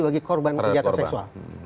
bagi korban kejahatan seksual